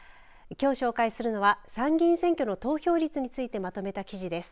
きょう紹介するのは参議院選挙の投票率についてまとめた記事です。